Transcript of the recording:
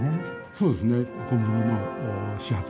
そうですね。